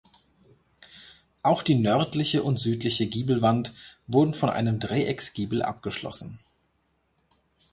Auch die nördliche und südliche Giebelwand wurden von einem Dreiecksgiebel abgeschlossen.